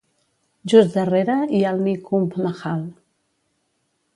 Just darrere hi ha el Nikumbh Mahal.